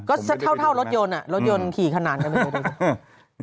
ก็เท่ารถยนต์น่ะรถยนต์ขี่ขนาดนั้น